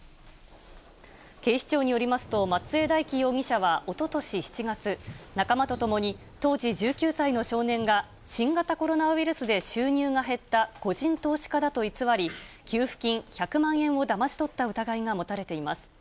警視庁によりますと、松江大樹容疑者はおととし７月、仲間と共に、当時１９歳の少年が、新型コロナウイルスで収入が減った個人投資家だと偽り、給付金１００万円をだまし取った疑いが持たれています。